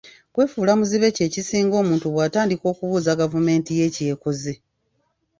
Kwefuula muzibe kyekisinga omuntu bwatandika okubuuza gavumenti ye ky'ekoze.